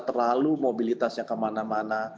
terlalu mobilitasnya kemana mana